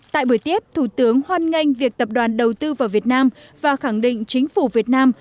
tại buổi tiếp thủ tướng hoan nghênh việc tập đoàn đầu tư vào việt nam và khẳng định chính phủ việt nam